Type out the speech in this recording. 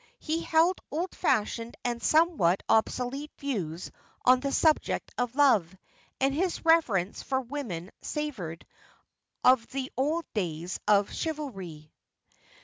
He held old fashioned and somewhat obsolete views on the subject of love, and his reverence for women savoured of the old days of chivalry.